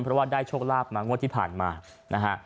เพราะว่าได้โชคลาภมางวดที่ผ่านมานะฮะ